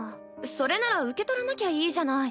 それなら受け取らなきゃいいじゃない。